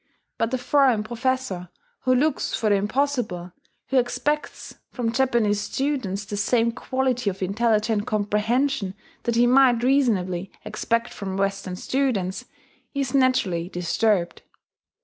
But the foreign professor who looks for the impossible who expects from Japanese students the same quality of intelligent comprehension that he might reasonably expect from Western students is naturally disturbed.